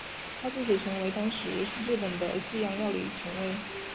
他自此成为当时日本的西洋料理权威。